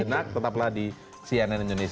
senang tetaplah di cnn indonesia prime news